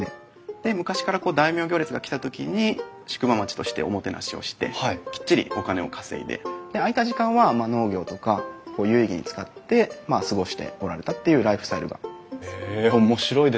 で昔から大名行列が来た時に宿場町としておもてなしをしてきっちりお金を稼いで空いた時間は農業とか有意義に使ってまあ過ごしておられたっていうライフスタイルが。へえ面白いですね。